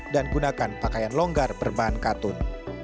dan gunakan pakaian longgar berbahan katun